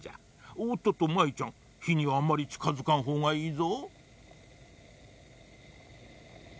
おっとっと舞ちゃんひにあんまりちかづかんほうがいいぞ。